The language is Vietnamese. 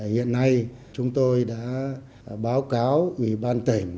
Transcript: hiện nay chúng tôi đã báo cáo ubnd